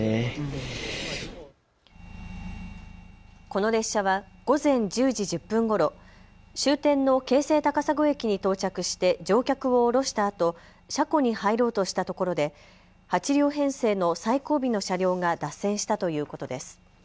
この列車は午前１０時１０分ごろ、終点の京成高砂駅に到着して乗客を降ろしたあと、車庫に入ろうとしたところで８両編成の最後尾の車両が脱線したということです。